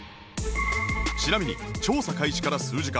ちなみに調査開始から数時間